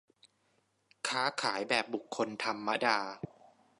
ค้าขายแบบบุคคลธรรมดา